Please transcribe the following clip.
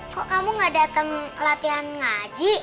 kok kamu gak datang latihan ngaji